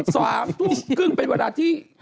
สามทุ่มครึ่งเป็นเวลาที่